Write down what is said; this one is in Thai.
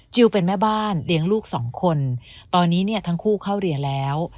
เป็นแม่บ้านเลี้ยงลูกสองคนตอนนี้เนี่ยทั้งคู่เข้าเรียนแล้ว